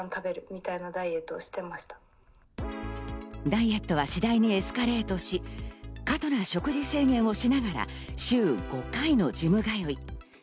ダイエットは次第にエスカレートし、過度な食事制限をしながら、週５回のジム通い。